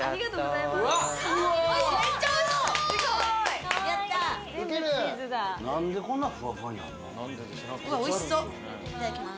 いただきます！